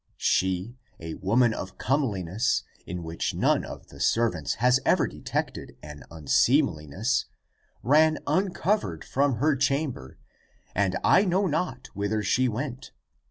She, a woman of comeliness, in which none of the serv ants has ever detected an unseemliness, ran uncov 306 THE APOCRYPHAL ACTS ered from her chamber, and I know not whither she went.